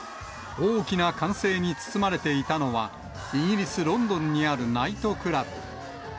大きな歓声に包まれていたのは、イギリス・ロンドンにあるナイトクラブ。